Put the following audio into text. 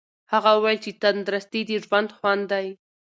هغه وویل چې تندرستي د ژوند خوند دی.